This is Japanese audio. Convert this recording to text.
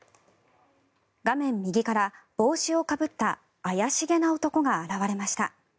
画面右から帽子をかぶった怪しげな男が現れました。